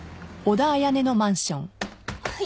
はい。